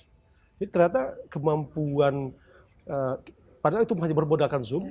jadi ternyata kemampuan padahal itu hanya bermodalkan zoom